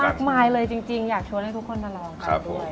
มากมายเลยจริงอยากชวนให้ทุกคนมาลองทานด้วย